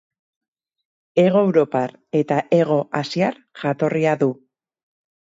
Hego Europar eta Hego Asiar jatorria du.